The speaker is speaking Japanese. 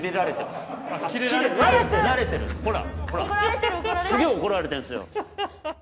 すげぇ怒られてんすよ。